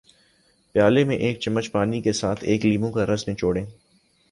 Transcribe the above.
پیالے میں ایک چمچ پانی کے ساتھ ایک لیموں کا رس نچوڑیں